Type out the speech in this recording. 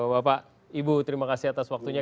bapak ibu terima kasih atas waktunya